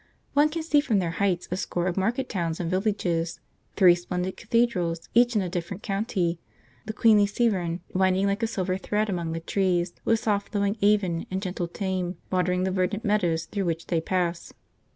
One can see from their heights a score of market towns and villages, three splendid cathedrals, each in a different county, the queenly Severn winding like a silver thread among the trees, with soft flowing Avon and gentle Teme watering the verdant meadows through which they pass.